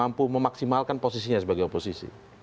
mampu memaksimalkan posisinya sebagai oposisi